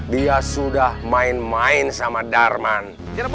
dia sudah main main sama darman